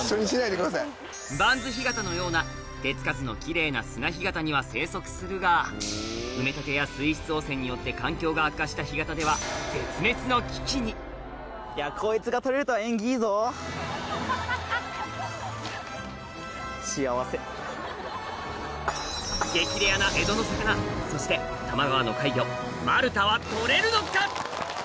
盤洲干潟のような手付かずのキレイな砂干潟には生息するが埋め立てや水質汚染によって環境が悪化した干潟では激レアな江戸の魚そして多摩川の怪魚マルタは捕れるのか？